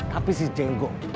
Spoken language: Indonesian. tapi si jenggo